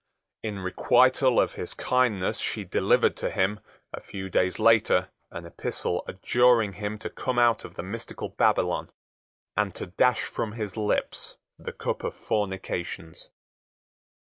In requital of his kindness she delivered to him, a few days later, an epistle adjuring him to come out of the mystical Babylon and to dash from his lips the cup of fornications.